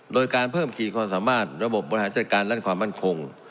โดยการเพิ่มขีดความสามารถระบบบบริหารจัดการและความมั่นคง